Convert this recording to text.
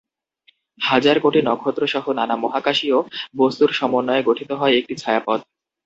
হাজার কোটি নক্ষত্রসহ নানা মহাকাশীয় বস্তুর সমন্বয়ে গঠিত হয় একটি ছায়াপথ।